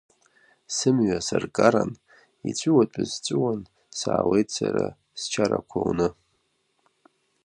Сымҩа саркаран, иҵәуатәыз ҵәуан, саауеит сара счарақәа уны.